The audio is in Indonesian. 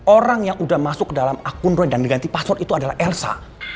orang yang sudah masuk dalam akun roy dan diganti password itu adalah elsa